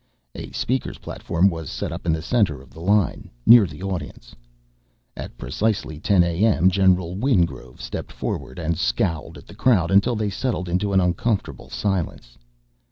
A speakers' platform was set up in the center of the line, near the audience. At precisely 10 a.m., General Wingrove stepped forward and scowled at the crowd until they settled into an uncomfortable silence.